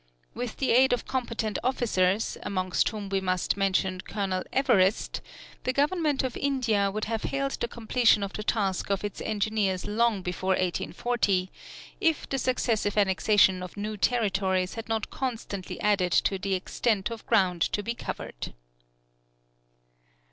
With the aid of competent officers, amongst whom we must mention Colonel Everest, the Government of India would have hailed the completion of the task of its engineers long before 1840, if the successive annexation of new territories had not constantly added to the extent of ground to be covered.